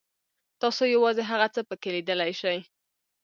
تاسو یوازې هغه څه پکې لیدلی شئ.